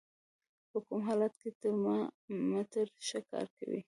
په کوم حالت کې ترمامتر ښه کار کوي؟